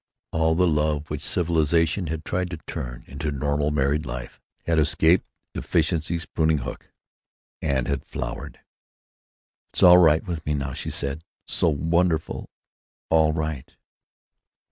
All the love which civilization had tried to turn into Normal Married Life had escaped Efficiency's pruning hook, and had flowered. "It's all right with me, now," she said; "so wonderfully all right."